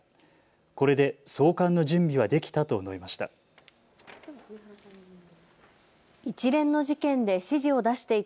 これで送還の準備はできたと述べました。